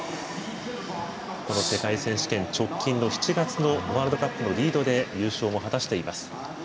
この世界選手権直近の７月のワールドカップのリードで優勝も果たしています。